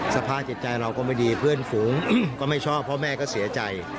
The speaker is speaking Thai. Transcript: สภาพจิตใจเราก็ไม่ดีเพื่อนฝูงก็ไม่ชอบเพราะแม่ก็เสียใจ